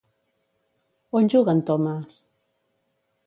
On juga en Thomas?